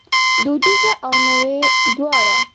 دودیزه او نوې دواړه